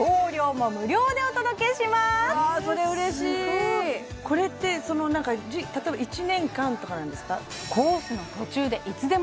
それ嬉しいえすごこれって例えば１年間とかなんですか？